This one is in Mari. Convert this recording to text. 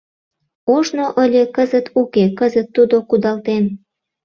Ожно ыле, кызыт уке, кызыт тудо кудалтен